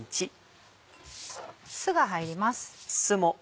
酢が入ります。